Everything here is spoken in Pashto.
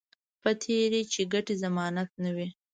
په تېره چې ګټې ضمانت نه وي